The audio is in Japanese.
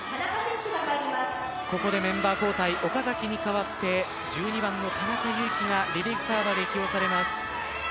ここでメンバー交代岡崎に代わって１２番の田中結姫がリリーフサーバーで起用されます。